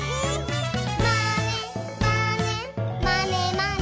「まねまねまねまね」